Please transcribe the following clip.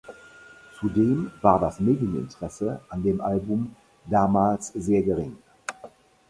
Zudem war das Medieninteresse an dem Album damals sehr gering.